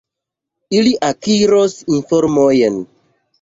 Ili akiros informojn.